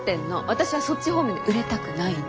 私はそっち方面で売れたくないの！